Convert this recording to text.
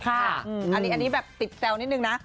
อันนี้เป็นเป็นติดเซลล์นิดนึงนะ